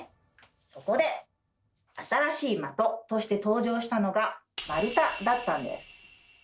そこで新しいまととして登場したのが「丸太」だったんです。